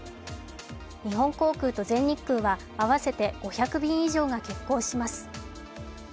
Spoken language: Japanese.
日本航空と全日空は合わせて５００便以上が欠航します。